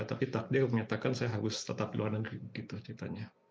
tapi takdir menyatakan saya harus tetap di luar negeri begitu ceritanya